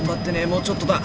もうちょっとだ。